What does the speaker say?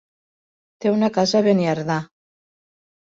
Té una casa a Beniardà.